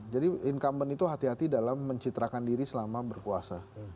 jadi incumbent itu hati hati dalam mencitrakan diri selama berkuasa